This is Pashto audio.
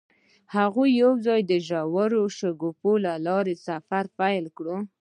هغوی یوځای د ژور شګوفه له لارې سفر پیل کړ.